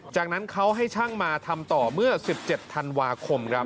จากนั้นเขาให้ช่างมาทำต่อเมื่อ๑๗ธันวาคมครับ